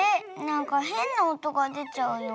なんかへんなおとがでちゃうよ。